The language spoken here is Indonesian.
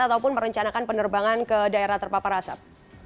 ataupun merencanakan penerbangan ke daerah terpapar asap